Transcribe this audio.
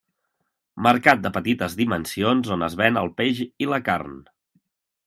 Mercat de petites dimensions on es ven el peix i la carn.